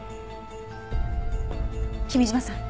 君嶋さん